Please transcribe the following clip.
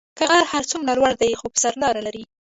كه غر هر سومره لور دي خو به سر ئ لار دي.